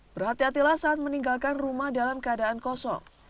berhati hatilah saat meninggalkan rumah dalam keadaan kosong